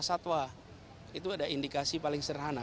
satwa itu ada indikasi paling sederhana